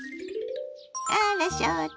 あら翔太。